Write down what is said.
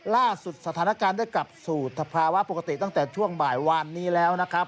ล่าสุดสถานการณ์ได้กลับสู่สภาวะปกติตั้งแต่ช่วงบ่ายวานนี้แล้วนะครับ